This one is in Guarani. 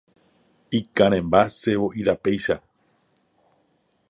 Ikarẽmba sevo'i rapéicha.